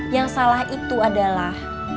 yang salah itu adalah